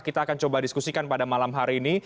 kita akan coba diskusikan pada malam hari ini